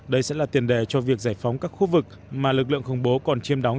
đây sẽ là tiền đề cho việc giải phóng các khu vực mà lực lượng khủng bố còn chiêm đóng